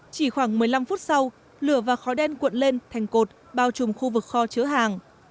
chỉ khoảng một mươi năm phút sau lửa và khói đen cuộn lên thành cột bao trùm khu vực kho chứa hàng